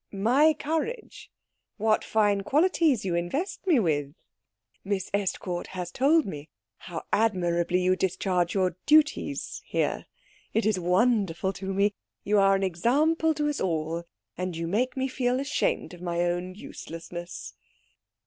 "My courage? What fine qualities you invest me with!" "Miss Estcourt has told me how admirably you discharge your duties here. It is wonderful to me. You are an example to us all, and you make me feel ashamed of my own uselessness."